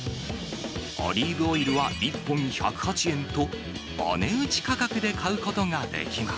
オリーブオイルは１本１０８円と、お値打ち価格で買うことができます。